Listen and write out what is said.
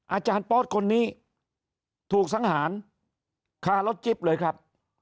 อาจารย์ปอสคนนี้ถูกสังหารคารถจิ๊บเลยครับ